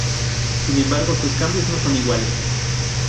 Sin embargo, sus cambios no son iguales.